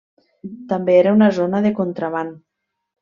També era una zona de contraban.